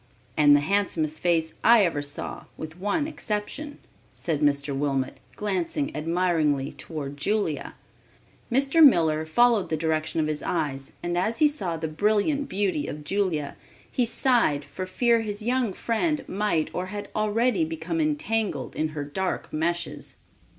"And the handsomest face I ever saw with one exception," said Mr. Wilmot, glancing admiringly toward Julia. Mr. Miller followed the direction of his eyes and as he saw the brilliant beauty of Julia, he sighed for fear his young friend might or had already become entangled in her dark meshes.